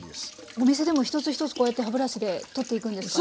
お店でも一つ一つこうやって歯ブラシで取っていくんですか？